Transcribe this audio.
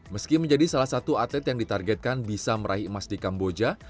meski menjadi salah satu atlet yang ditargetkan bisa meraih emas di kamboja